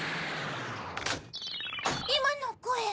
・いまのこえ。